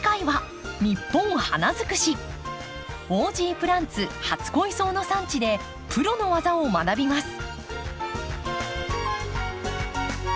オージープランツ初恋草の産地でプロの技を学びます。